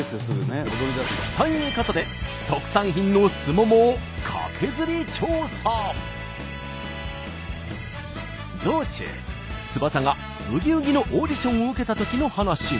ということで特産品の道中翼が「ブギウギ」のオーディションを受けたときの話に。